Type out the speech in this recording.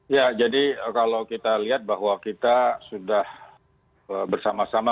ya jadi kalau kita lihat bahwa kita sudah bersama sama